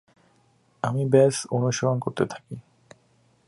আমি ব্যস অনুসরণ করতে থাকি।